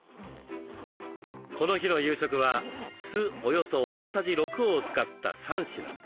この日の夕食は酢およそ大さじ６を使った３品。